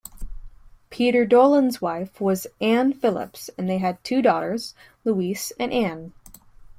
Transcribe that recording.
Peter Dollond's wife was Ann Phillips and they had two daughters, Louise and Anne.